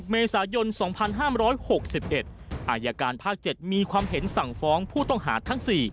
เมษายน๒๕๖๑อายการภาค๗มีความเห็นสั่งฟ้องผู้ต้องหาทั้ง๔